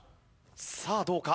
さあどうか？